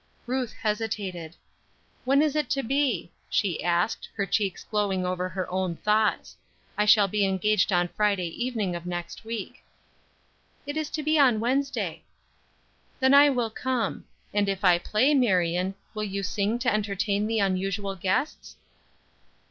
Ruth hesitated. "When is it to be?" she asked, her cheeks glowing over her own thoughts. "I shall be engaged on Friday evening of next week." "It is to be on Wednesday." "Then I will come. And if I play, Marion, will you sing to entertain the unusual guests?"